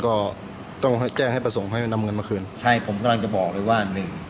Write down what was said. ก็ต้องแจ้งให้ประสงค์เขาให้นำเงินมาคืนค่ะผมกำลังจะบอกเลยว่า